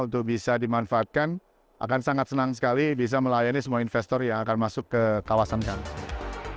untuk bisa dimanfaatkan akan sangat senang sekali bisa melayani semua investor yang akan masuk ke kawasan kami